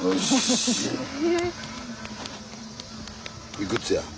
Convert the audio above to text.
いくつや？